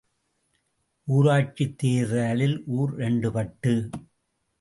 ஊராட்சித் தேர்தலில் ஊர் இரண்டுபட்டு!